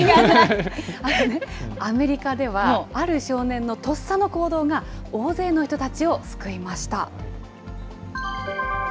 あのね、アメリカでは、ある少年のとっさの行動が、大勢の人たちを救いました。